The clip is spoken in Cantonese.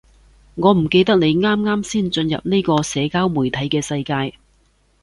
我唔記得你啱啱先進入呢個社交媒體嘅世界